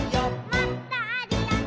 「もっとあるよね」